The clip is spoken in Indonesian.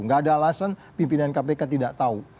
nggak ada alasan pimpinan kpk tidak tahu